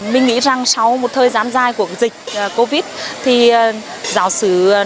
mình nghĩ rằng sau một thời gian dài của dịch covid một mươi chín thì giáo sứ